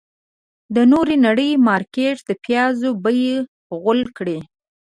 د نورې نړۍ مارکيټ د پيازو بيې غول کړې.